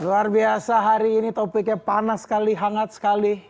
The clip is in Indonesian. luar biasa hari ini topiknya panas sekali hangat sekali